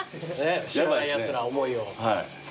知らないやつが思いを。